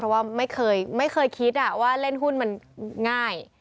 เพราะว่าไม่เคยคิดว่าเล่นหุ้นมันง่าย